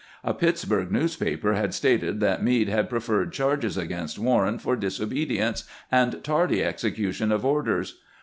A Pittsburg newspaper had stated that Meade had preferred charges against Warren for disobedience and tardy execution of orders.